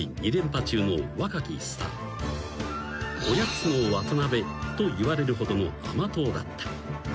［おやつの渡辺といわれるほどの甘党だった］